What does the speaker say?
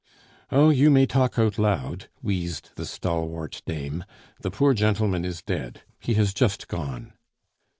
"Oh! you may talk out loud," wheezed the stalwart dame. "The poor gentleman is dead.... He has just gone."